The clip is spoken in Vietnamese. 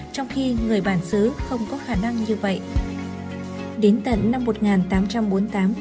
trong khi người bản xứ không có khả năng như vậy